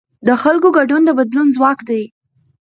د خلکو ګډون د بدلون ځواک دی